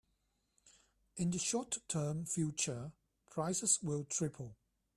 In the short term future, prices will triple.